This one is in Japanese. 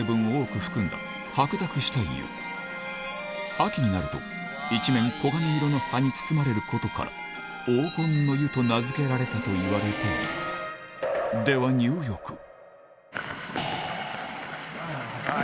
秋になると一面黄金色の葉に包まれることから「黄金の湯」と名付けられたといわれているではあっ